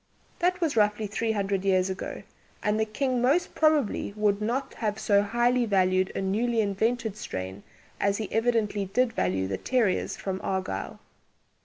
That was roughly three hundred years ago, and the King most probably would not have so highly valued a newly invented strain as he evidently did value the "terrieres" from Argyll.